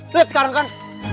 liat sekarang kan